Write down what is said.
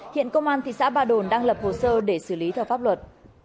hiện công an thị xã ba đồn đang lập hồ sơ để xử lý theo pháp luật